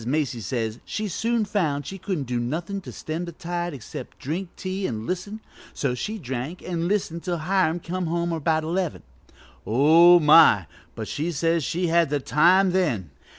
Macy says she soon found she couldn't do nothin' to stem the tide except to drink tea an' listen, so she drank an' listened till Hiram come home about eleven. Oh, my, but she says they had the time then!